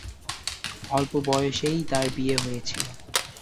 অল্প বয়সেই তার বিয়ে হয়েছিল।